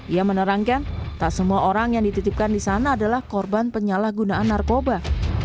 ia menerangkan tak semua orang yang dititipkan di sana adalah korban penyalahgunaan narkoba